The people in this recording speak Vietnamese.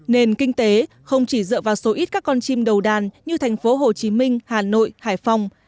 nền kinh tế không chỉ dựa vào số ít các con chim đầu đàn như thành phố hồ chí minh hà nội hải phòng